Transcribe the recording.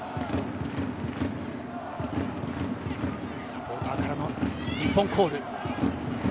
サポーターからの日本コール。